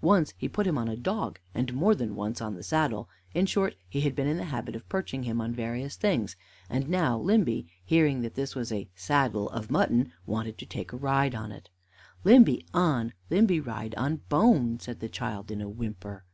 Once he put him on a dog, and more than once on the saddle; in short, he had been in the habit of perching him on various things, and now Limby, hearing this was a saddle of mutton, wanted to take a ride on it. "Limby on! Limby ride on bone!" said the child in a whimper.